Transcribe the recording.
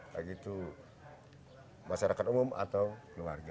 baik itu masyarakat umum atau keluarga